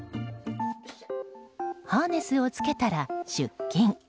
ハーネスをつけたら、出勤。